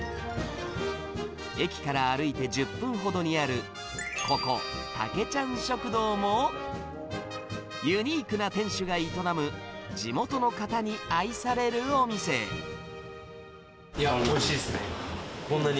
駅から歩いて１０分ほどにある、ここ、たけちゃん食堂も、ユニークな店主が営む、地元の方に愛されるおおいしいですね。